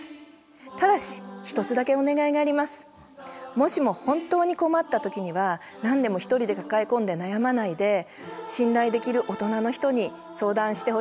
もしも本当に困った時には何でも一人で抱え込んで悩まないで信頼できる大人の人に相談してほしいな。